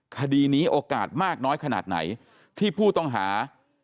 คดีนี้โอกาสมากน้อยขนาดไหนที่ผู้ต้องหา